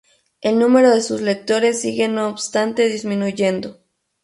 El número de sus lectores sigue no obstante disminuyendo.